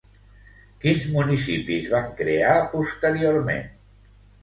Quins municipis van crear posteriorment?